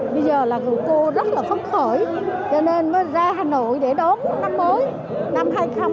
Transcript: bây giờ là cô rất là phấn khởi cho nên mới ra hà nội để đón năm mới năm hai nghìn hai mươi